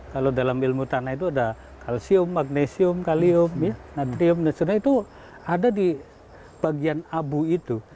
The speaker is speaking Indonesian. kalau dalam ilmu tanah itu ada kalsium magnesium kalium nadium dan sebagainya itu ada di bagian abu itu